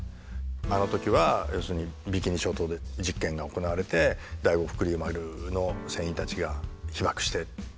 あの時は要するにビキニ諸島で実験が行われて第五福竜丸の船員たちが被ばくして。